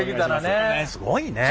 すごいね。